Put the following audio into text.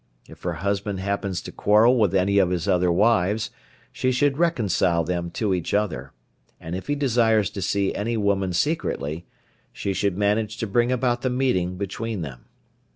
If her husband happens to quarrel with any of his other wives, she should reconcile them to each other, and if he desires to see any woman secretly, she should manage to bring about the meeting between them.